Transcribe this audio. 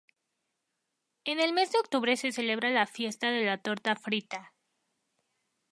En el mes de octubre se celebra la "fiesta de la torta frita".